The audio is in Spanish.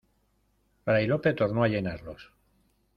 fray Lope tornó a llenarlos: